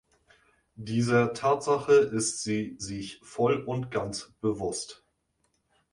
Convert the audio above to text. Dieser Tatsache ist sie sich voll und ganz bewusst.